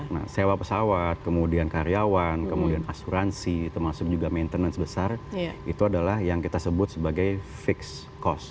nah sewa pesawat kemudian karyawan kemudian asuransi termasuk juga maintenance besar itu adalah yang kita sebut sebagai fixed cost